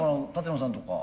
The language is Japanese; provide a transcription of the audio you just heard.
舘野さんとか。